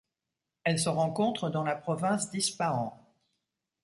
Elle se rencontre dans la province d'Ispahan.